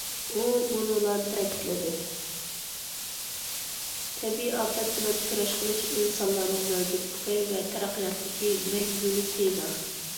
ئۇ مۇنۇلارنى تەكىتلىدى: تەبىئىي ئاپەت بىلەن كۈرەش قىلىش ئىنسانلارنىڭ مەۋجۇتلۇقى ۋە تەرەققىياتىدىكى مەڭگۈلۈك تېما.